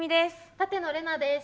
舘野伶奈です。